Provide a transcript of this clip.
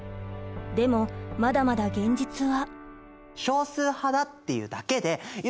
でもまだまだ現実は。